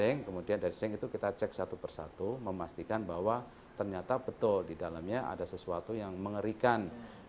kita search kemudian dari search kita cek satu persatu memastikan bahwa ternyata betul di dalamnya ada sesuatu yang mengerikan